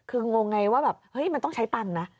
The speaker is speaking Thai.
คืองงไงว่าแบบมันต้องใช้ปันนะ